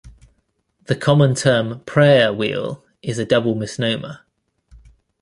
The common term, "prayer wheel" is a double misnomer.